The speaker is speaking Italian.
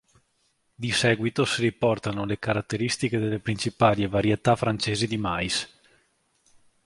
Di seguito si riportano le caratteristiche delle principali varietà francesi di mais.